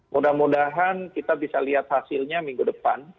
mudah mudahan kita bisa lihat hasilnya minggu depan